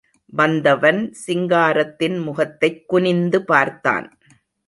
வந்தவன் சிங்காரத்தின் முகத்தைக் குனிந்து பார்த்தான்.